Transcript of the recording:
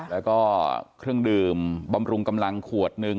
แล้วก็เครื่องดื่มบำรุงกำลังขวดหนึ่ง